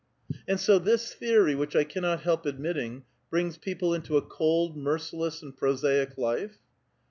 " And so this theory, which I cannot help admitting, brings people into a cold, merciless, and prosaic life